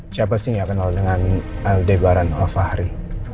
siapa sih yang kenal dengan aldebaran al fahri